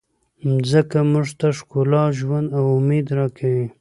مځکه موږ ته ښکلا، ژوند او امید راکوي.